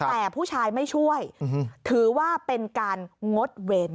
แต่ผู้ชายไม่ช่วยถือว่าเป็นการงดเว้น